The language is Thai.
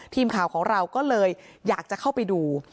ทีมข่าวของเราก็เลยอยากจะเข้าไปดู